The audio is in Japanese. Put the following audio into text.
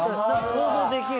想像できる。